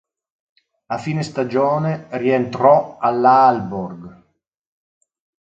A fine stagione, rientrò all'Aalborg.